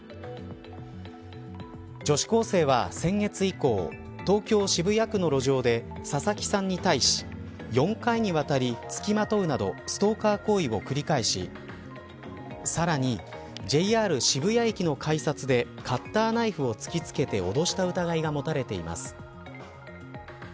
女子高生は先月以降東京、渋谷区の路上で佐々木さんに対し４回にわたり、つきまとうなどストーカー行為を繰り返しさらにＪＲ渋谷駅の改札でカッターナイフを突きつけて脅した疑いが持たれています。